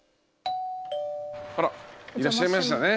あらいらっしゃいましたね。